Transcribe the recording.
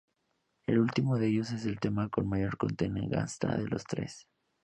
El último de ellos es el tema con mayor contenido gangsta de los tres.